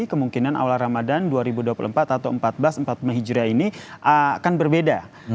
kemungkinan awal ramadan dua ribu dua puluh empat atau seribu empat ratus empat puluh hijriah ini akan berbeda